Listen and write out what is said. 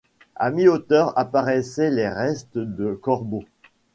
À mi-hauteur, apparaissent les restes de corbeaux.